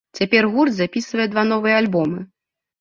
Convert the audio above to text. Цяпер гурт запісвае два новыя альбомы.